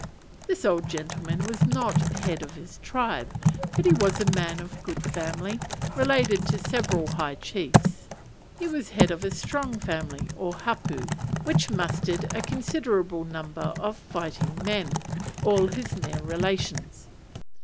This old gentleman was not head of his tribe; but he was a man of good family, related to several high chiefs. He was head of a strong family, or hapu, which mustered a considerable number of fighting men; all his near relations.